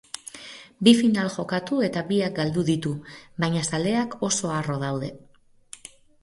Bi final jokatu eta biak galdu ditu, baina zaleak oso harro daude.